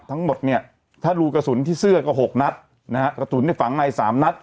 ทั้งหมดเนี่ยถ้าลูกกระสุนที่เสื้อก็๖นัฏแล่วกระสุนในฝังแม่๓นัฏ